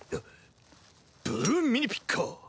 ブルーンミニピッカー！